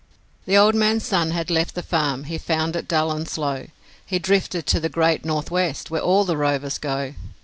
. The old man's son had left the farm, he found it dull and slow, He drifted to the great North west where all the rovers go.